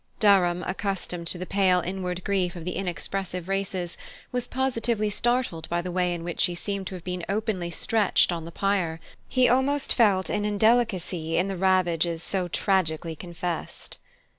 Durham, accustomed to the pale inward grief of the inexpressive races, was positively startled by the way in which she seemed to have been openly stretched on the pyre; he almost felt an indelicacy in the ravages so tragically confessed.